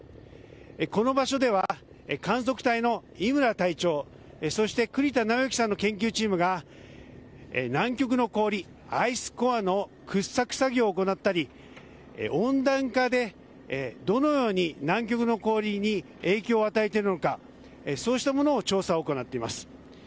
この場所では観測隊の伊村隊長そして栗田直幸さんの研究チームが南極の氷アイスコアの掘削作業を行ったり温暖化でどのように南極の氷に影響を与えているのかそうしたものを調査をしています。